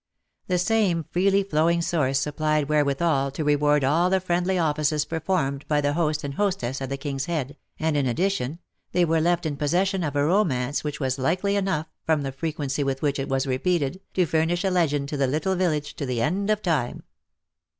The same freely flowing source supplied wherewithal to reward all the friendly offices performed by the host and hostess of the King's Head, and in addition, they were left in possession of a romance which was likely enough, from the frequency with which it was repeated, to furnish a legend to the little village to the end of time.